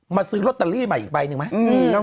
ซื้อลอตเตอรี่ใหม่อีกใบหนึ่งไหม